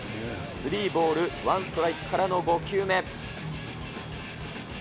スリーボールワンストライクからの５球目。